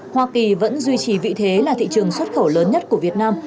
hoa kỳ vẫn duy trì vị thế là thị trường xuất khẩu lớn nhất của việt nam